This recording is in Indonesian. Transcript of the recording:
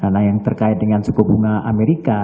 nah yang terkait dengan suku bunga amerika